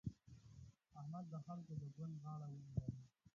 احمد د خلګو د ګوند غاړه ونيوله.